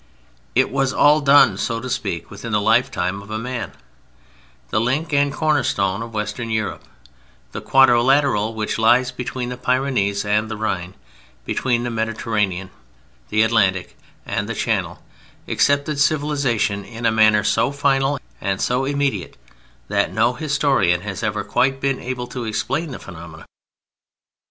It was all done, so to speak, within the lifetime of a man. The link and corner stone of Western Europe, the quadrilateral which lies between the Pyrenees and the Rhine, between the Mediterranean, the Atlantic, and the Channel, accepted civilization in a manner so final and so immediate that no historian has ever quite been able to explain the phenomenon.